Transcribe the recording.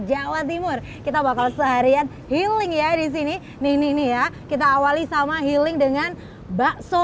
jawa timur kita bakal seharian healing ya disini nih ya kita awali sama healing dengan bakso